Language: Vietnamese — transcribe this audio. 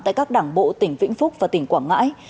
tại các đảng bộ tỉnh vĩnh phúc và tỉnh quảng ngãi